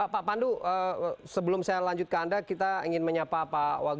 pak pandu sebelum saya lanjut ke anda kita ingin menyapa pak wagub